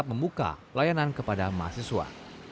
membuka layanan kepada mahasiswa